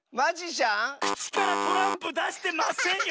くちからトランプだしてませんよ。